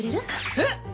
えっ！？